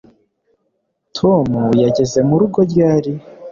tom yageze murugo ryari